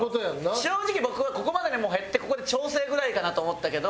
正直僕はここまでに減ってここで調整ぐらいかなと思ったけど。